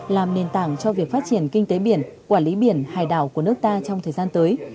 làm nền tảng cho việc phát triển kinh tế biển quản lý biển hải đảo của nước ta trong thời gian tới